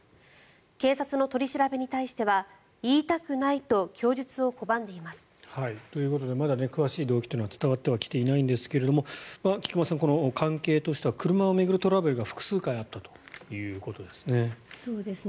警察の取り調べに対しては言いたくないと供述を拒んでいます。ということでまだ詳しい動機は伝わってはきていないんですが菊間さん、関係としては車を巡るトラブルが複数回あったということですね。